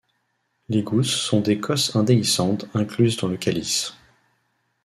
Les gousses sont des cosses indéhiscente incluses dans le calice.